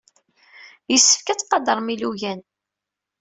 Yessefk ad tqadrem ilugan.